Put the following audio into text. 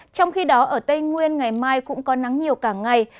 trong khi đó ở tây nguyên ngày mai cũng có nắng nhiều cả ngày